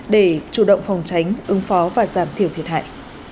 để chủ động phòng tránh ứng phó và giảm thiểu thiệt hại